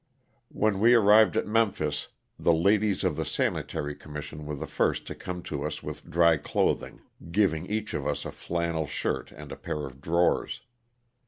When we arrived at Memphis the ladies of the Sanitary Commission were the first to come to us with dry clothing, giving each of us a flannel shirt and a pair of drawers.